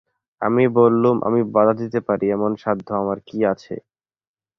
আমি বললুম, আমি বাধা দিতে পারি এমন সাধ্য আমার কী আছে!